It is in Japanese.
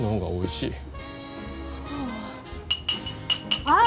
あおいしい。